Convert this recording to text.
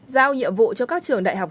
giao nhiệm vụ cho các trường đại học